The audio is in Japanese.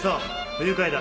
不愉快だ。